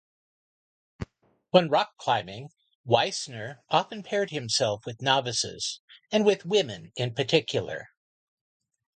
When rock climbing, Wiessner often paired himself with novices, and with women in particular.